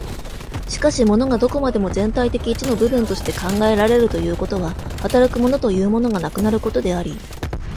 しかし物がどこまでも全体的一の部分として考えられるということは、働く物というものがなくなることであり、